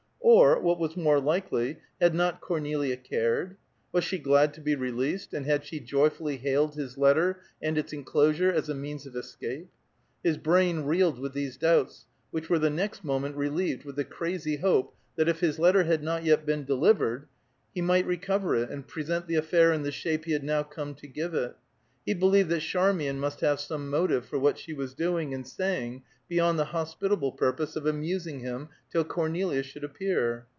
Or, what was more likely, had not Cornelia cared? Was she glad to be released, and had she joyfully hailed his letter and its enclosure as a means of escape? His brain reeled with these doubts, which were the next moment relieved with the crazy hope that if his letter had not yet been delivered, he might recover it, and present the affair in the shape he had now come to give it. He believed that Charmian must have some motive for what she was doing and saying beyond the hospitable purpose of amusing him till Cornelia should appear.